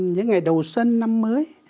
những ngày đầu sân năm mới